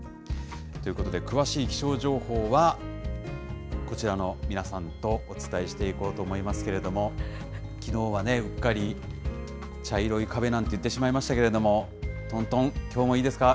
ということで、詳しい気象情報はこちらの皆さんとお伝えしていこうと思いますけれども、きのうはね、うっかり茶色い壁なんて言ってしまいましたけれども、とんとん、きょうもいいですか？